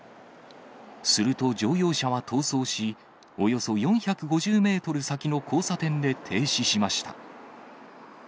すると乗用車は逃走し、およそ４５０メートル先の交差点で停止しました。